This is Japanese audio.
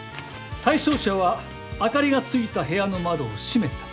「対象者は明かりがついた部屋の窓を閉めた」